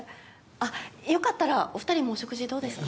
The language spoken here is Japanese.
あっ良かったらお２人もお食事どうですか？